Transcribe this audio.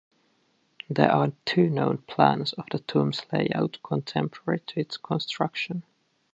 There are two known plans of the tomb's layout contemporary to its construction.